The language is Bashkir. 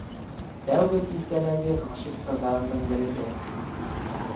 Тәүге тиҫтәләге ғашиҡ ҡыҙҙарымдың береһе...